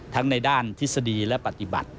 ในด้านทฤษฎีและปฏิบัติ